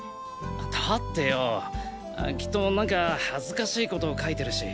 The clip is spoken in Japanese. だってよきっと何か恥ずかしい事書いてるし。